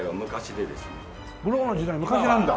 ろうの時代昔なんだ？